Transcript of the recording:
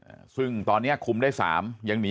แต่รู้เบาะแสของคนร้ายที่เหลือแล้วกำลังติดตามตัวมาดำเนินคดี